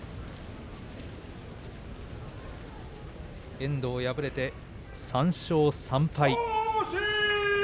遠藤、破れて３勝３敗。